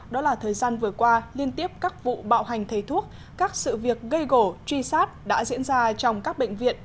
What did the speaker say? đó là thời gian vừa qua liên tiếp các vụ bạo hành thầy thuốc các sự việc gây gổ truy sát đã diễn ra trong các bệnh viện